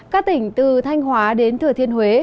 các tỉnh từ thanh hóa đến thừa thiên huế